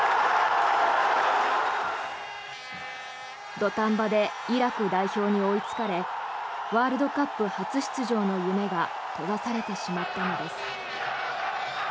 土壇場でイラク代表に追いつかれワールドカップ初出場の夢が閉ざされてしまったのです。